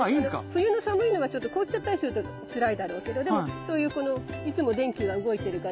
冬の寒いのがちょっと凍っちゃったりするとつらいだろうけどでもそういうこのいつも電気が動いてるから。